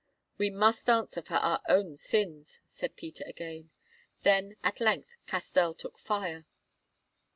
"We must answer for our own sins," said Peter again. Then at length Castell took fire.